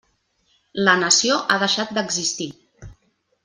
La nació ha deixat d'existir.